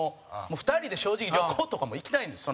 ２人で正直旅行とかも行きたいんです。